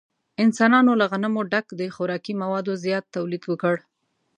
انسانانو له غنمو څخه د خوراکي موادو زیات تولید وکړ.